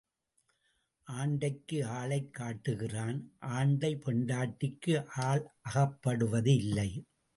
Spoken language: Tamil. ஆண்டைக்கு ஆளைக் காட்டுகிறான் ஆண்டை பெண்டாட்டிக்கு ஆள் அகப்படுவது இல்லை.